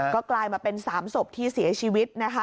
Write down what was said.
ก็กลายมาเป็น๓ศพที่เสียชีวิตนะคะ